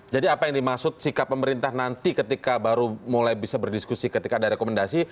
jadi apa yang dimaksud sikap pemerintah nanti ketika baru mulai bisa berdiskusi ketika ada rekomendasi